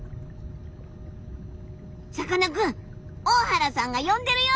さかなクン大原さんが呼んでるよ！